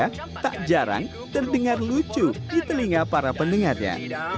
jalan goyang di amerika tak jarang terdengar lucu di telinga para pendengarnya